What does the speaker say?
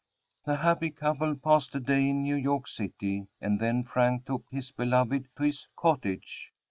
The happy couple passed a day in New York city, and then Frank took his beloved to his "cottage."